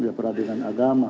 ya peradilan agama